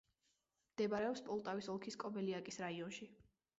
მდებარეობს პოლტავის ოლქის კობელიაკის რაიონში.